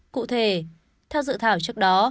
cụ thể theo dự thảo trước đó